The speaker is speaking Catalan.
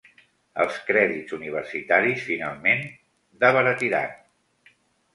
Els crèdits universitaris finalment d'abaratiran.